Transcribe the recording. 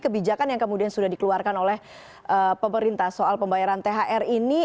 kebijakan yang kemudian sudah dikeluarkan oleh pemerintah soal pembayaran thr ini